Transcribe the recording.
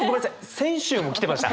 先週も来てました。